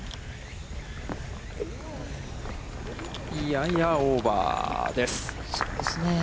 ややオーバーです。